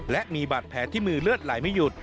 และมีบาดแผลที่มือเลือดไหลไม่หยุด